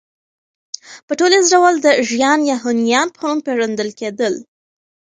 په ټوليز ډول د ژيان يا هونيانو په نوم پېژندل کېدل